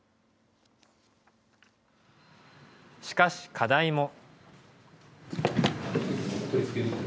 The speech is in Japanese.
しかし、課題も。